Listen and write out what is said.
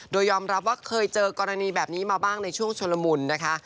โดยยอมรับว่าเคยเจอกรณีแบบนี้มาบ้างในช่วงชุลมุนนะคะ